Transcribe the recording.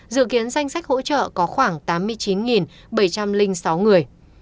dự kiến danh sách hỗ trợ có khoảng tám mươi chín bảy trăm linh sáu người